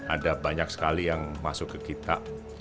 ada banyak sekali yang masuk ke kita